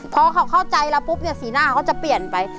พอเขาเข้าใจแล้วปุ๊บเนี่ยสีหน้าเขาจะเปลี่ยนไป